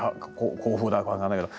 「恒風」だとか分かんないけど。